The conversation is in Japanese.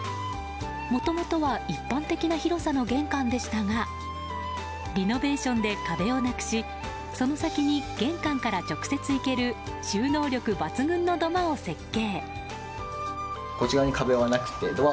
もともとは一般的な広さの玄関でしたがリノベーションで壁をなくしその先に玄関から直接行ける収納力抜群の土間を設計。